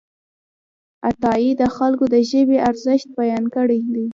عطايي د خلکو د ژبې ارزښت بیان کړی دی.